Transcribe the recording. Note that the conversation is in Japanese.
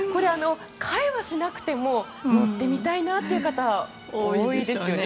買えはしなくても乗ってみたいなという方は多いですよね。